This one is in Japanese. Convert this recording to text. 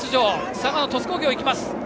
佐賀の鳥栖工業も行きます。